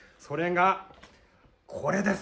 これです！